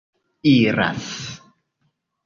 iras